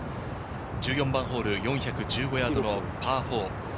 １４番ホール、４１５ヤードのパー４。